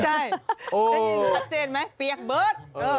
ได้ได้ยินชัดเจนไหมเปียกเบิ๊ด